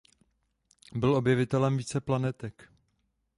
Byl objevitelem více planetek.